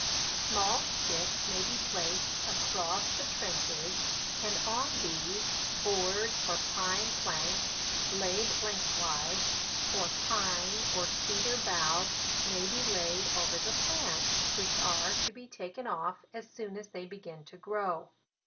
" Small sticks may be placed across the trenches, and on these, boards or pine planks laid lengthwise, or pine or cedar boughs may be laid over the plants, which are to be taken off as soon as they begin to grow.